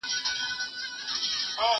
کټورى که مات سو، که نه سو، ازانگه ئې ولاړه.